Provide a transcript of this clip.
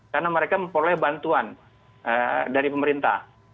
karena mereka memperoleh bantuan dari pemerintah